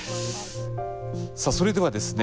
さあそれではですね